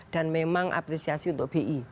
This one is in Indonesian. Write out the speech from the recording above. dan memang apresiasi untuk bi